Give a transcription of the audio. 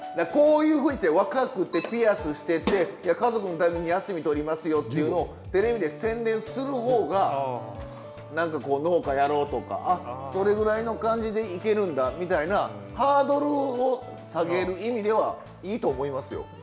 こういうふうにして若くてピアスしてていや家族のために休み取りますよっていうのをテレビで宣伝するほうが何かこう農家やろうとかそれぐらいの感じでいけるんだみたいなハードルを下げる意味ではいいと思いますよ。